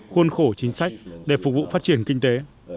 khuôn khổ chính sách để phục vụ phát triển kinh tế